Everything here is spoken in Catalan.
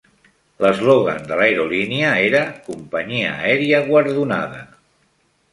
L'eslògan de l'aerolínia era "Companyia aèria guardonada".